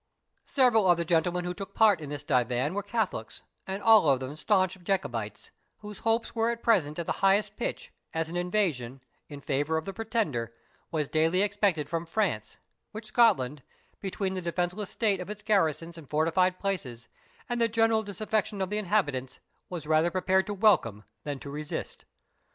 Several of the gentlemen who took part in this divan were Catholics, and all of them stanch Jacobites, whose hopes were at present at the highest pitch, as an invasion, in favour of the Pretender, was daily expected from France, which Scotland, between the defenceless state of its garrisons and fortified places, and the general disaffection of the inhabitants, was rather prepared to welcome than to resist.